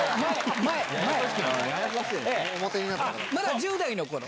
まだ１０代の頃。